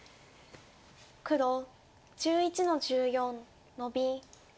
黒１１の十四ノビ。